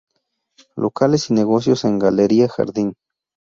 Locales y Negocios en Galería Jardin